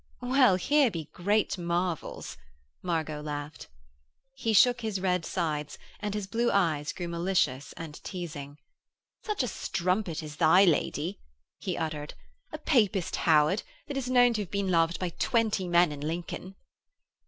'Well, here be great marvels,' Margot laughed. He shook his red sides, and his blue eyes grew malicious and teasing: 'Such a strumpet as thy lady,' he uttered. 'A Papist Howard that is known to have been loved by twenty men in Lincoln.'